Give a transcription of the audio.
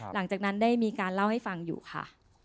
หลังจากนั้นได้มีการเล่าให้ฟังอยู่ค่ะ